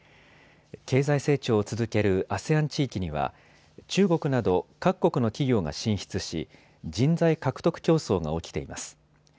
経済成長を続けるＡＳＥＡＮ地域には中国など、各国の企業が進出し人材獲得競争が起きています。